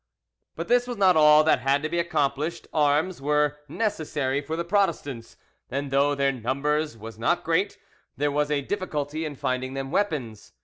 But this was not all that had to be accomplished arms were necessary for the Protestants, and though their number was not great, there was a difficulty in finding them weapons.